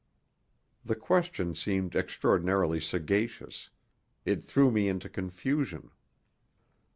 The question seemed extraordinarily sagacious; it threw me into confusion.